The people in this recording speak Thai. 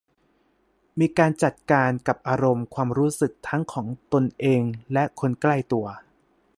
มีการจัดการกับอารมณ์ความรู้สึกทั้งของตนเองและคนใกล้ตัว